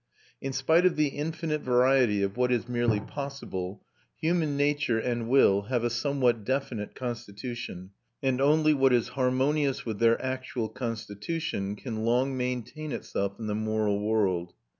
In spite of the infinite variety of what is merely possible, human nature and will have a somewhat definite constitution, and only what is harmonious with their actual constitution can long maintain itself in the moral world.